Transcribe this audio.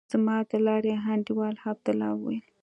زما د لارې انډيوال عبدالله وويل.